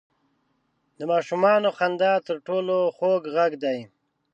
• د ماشومانو خندا تر ټولو خوږ ږغ دی.